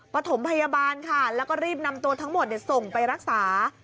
ปฐมพยาบาลค่ะแล้วก็รีบนำตัวทั้งหมดส่งไปรักษา